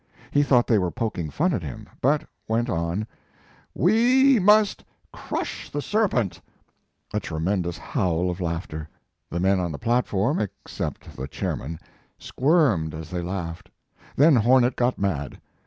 He thought they were poking fun at him, but went on: "We must crush the serpent !" A tremendous howl of laughter. The men on the platform, except the chairman, squirmed as they laughed. Then Hornet got mad.